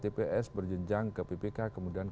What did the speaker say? tps berjenjang ke ppk kemudian